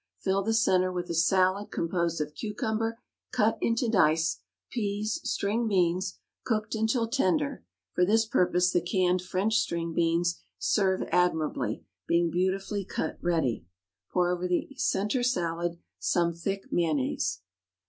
Fill the centre with a salad composed of cucumber cut into dice, peas, string beans cooked until tender (for this purpose the canned French string beans serve admirably, being beautifully cut ready). Pour over the centre salad some thick mayonnaise.